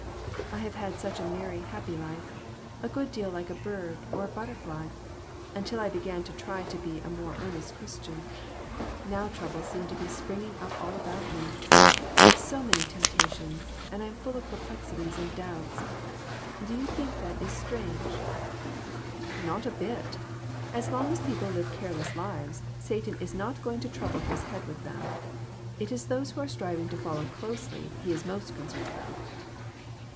I have had such a merry, happy life ; a good deal like a bird or a butterfly, until I began to try to be a more earnest Christian. Now troubles seem to be springing up all about me. I have so many temptations, and I am full of perplexities and doubts. Don't you think that is strange?" "Not a bit. As long as people live careless lives, Satan is not going to trouble his head with them. It is those who are striving to follow closely he is most concerned about."